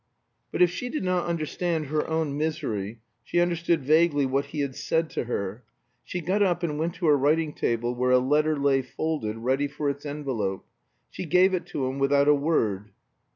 But if she did not understand her own misery, she understood vaguely what he had said to her. She got up and went to her writing table where a letter lay folded, ready for its envelope. She gave it to him without a word.